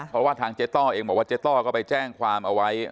เพราะว่าทางเจ๊ต้อเองบอกว่าเจ๊ต้อก็ไปแจ้งความเอาไว้